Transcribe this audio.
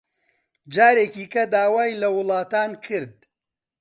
جارێکی کە داوای لە وڵاتان کرد